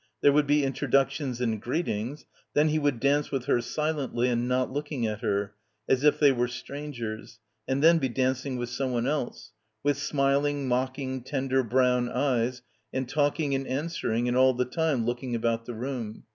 There would be introductions and greetings. Then he would dance with her silently and not looking at her, as if they were strangers, and then be dancing with someone else ... with smiling, mocking, tender brown eyes and talking and answering and all the time looking about the room.